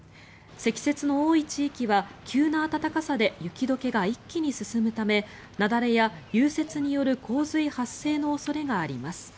積雪の多い地域は急な暖かさで雪解けが一気に進むため雪崩や融雪による洪水発生の恐れがあります。